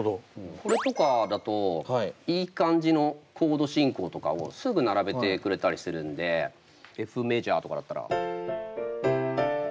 これとかだといい感じのコード進行とかをすぐ並べてくれたりするんでＦメジャーとかだったら。